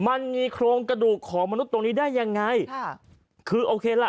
มันมีโครงกระดูกของมนุษย์ตรงนี้ได้ยังไงค่ะคือโอเคล่ะ